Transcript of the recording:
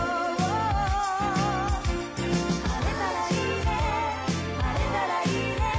「晴れたらいいね晴れたらいいね」